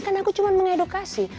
kan aku cuma mengedukasi